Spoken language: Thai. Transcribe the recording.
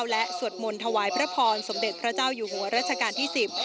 และสวดมนต์ถวายพระพรสมเด็จพระเจ้าอยู่หัวรัชกาลที่๑๐